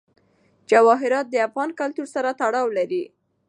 جواهرات د افغان کلتور سره تړاو لري.